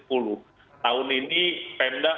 tahun ini pendak